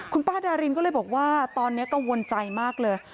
คุณป้าดารินก็เลยบอกว่าตอนนี้กังวลใจมากเลย